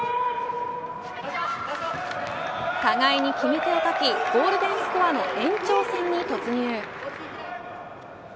互いに決め手を欠きゴールデンスコアの延長戦に突入。